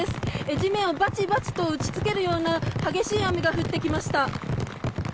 地面をバチバチと打ち付けるような激しい雨が降ってきました。